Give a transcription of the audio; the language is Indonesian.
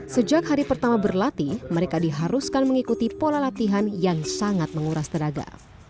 sejak hari pertama berlatih mereka diharuskan mengikuti pola latihan yang sangat menguras tenaga